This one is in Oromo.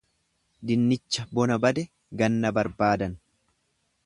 Dinnicha bona bade ganna barbaadan.